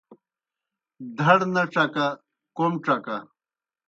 دھڑ نہ ڇکہ کوْم ڇکہ